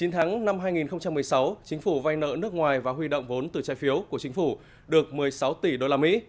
chín tháng năm hai nghìn một mươi sáu chính phủ vay nợ nước ngoài và huy động vốn từ trái phiếu của chính phủ được một mươi sáu tỷ đô la mỹ